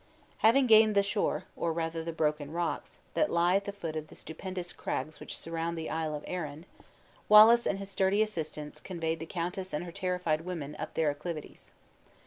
Having gained the shore, or rather the broken rocks, that lie at the foot of the stupendous craigs which surround the Isle of Arran, Wallace and his sturdy assistants conveyed the countess and her terrified women up their acclivities.